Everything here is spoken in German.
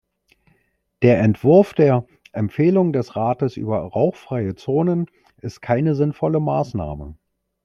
Der Entwurf der "Empfehlung des Rates über rauchfreie Zonen" ist keine sinnvolle Maßnahme.